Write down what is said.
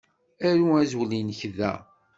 Aru azwel-inek da.